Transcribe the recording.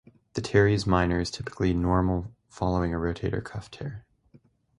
The teres minor is typically normal following a rotator cuff tear.